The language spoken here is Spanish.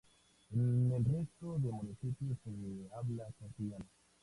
En el resto de municipios se habla castellano.